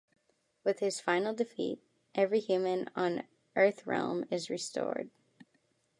With his final defeat, every human on Earthrealm is restored.